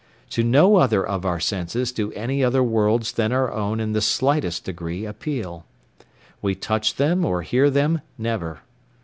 To no other of our senses do any other worlds than our own in the slightest degree appeal. We touch them or hear them never.